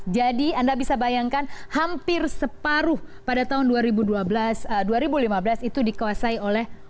jadi anda bisa bayangkan hampir separuh pada tahun dua ribu lima belas itu dikuasai oleh